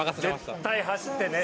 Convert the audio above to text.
絶対走ってね。